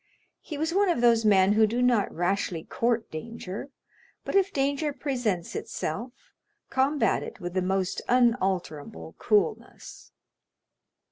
He was one of those men who do not rashly court danger, but if danger presents itself, combat it with the most unalterable coolness.